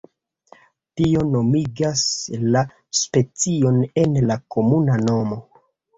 Tio nomigas la specion en la komuna nomo.